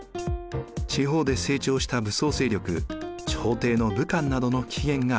地方で成長した武装勢力朝廷の武官などの起源があります。